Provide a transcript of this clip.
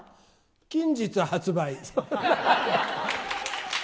近日発売。